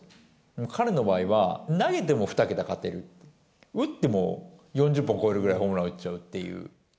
彼の場合は、投げても２桁勝てる、打っても４０本超えるぐらいホームラン打っちゃうっていう。